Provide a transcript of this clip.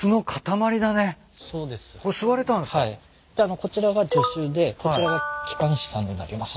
こちらが助手でこちらが機関士さんになります。